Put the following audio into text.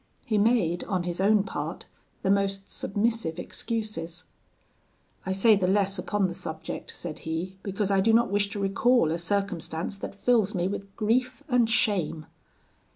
He made, on his own part, the most submissive excuses. 'I say the less upon the subject,' said he, 'because I do not wish to recall a circumstance that fills me with grief and shame.'